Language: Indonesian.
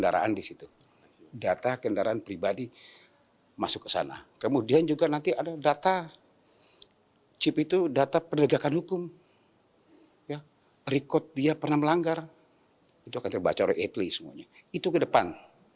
record dia pernah melanggar itu akan terbaca oleh delapan lay semuanya itu ke depan